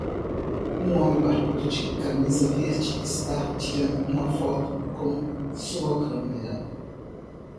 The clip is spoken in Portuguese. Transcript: Um homem barbudo de camisa verde está tirando uma foto com sua câmera